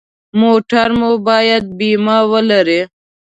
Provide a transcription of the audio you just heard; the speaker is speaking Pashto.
موټر مو باید بیمه ولري.